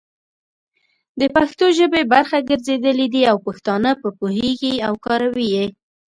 د پښتو ژبې برخه ګرځېدلي دي او پښتانه په پوهيږي او کاروي يې،